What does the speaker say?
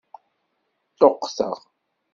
Ṭṭuqteɣ.